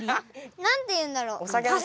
なんていうんだろう